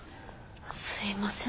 すいません